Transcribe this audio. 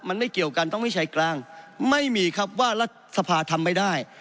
มันไม่เกี่ยวกันต้องวิชัยกลางไม่มีครับว่ารัฐสภาทำไม่ได้